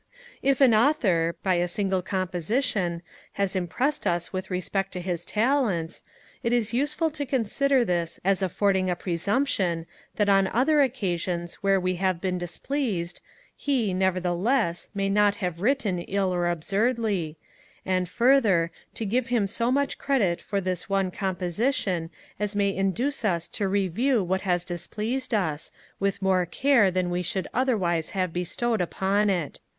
If an Author, by any single composition, has impressed us with respect for his talents, it is useful to consider this as affording a presumption, that on other occasions where we have been displeased, he, nevertheless, may not have written ill or absurdly; and further, to give him so much credit for this one composition as may induce us to review what has displeased us, with more care than we should otherwise have bestowed upon it.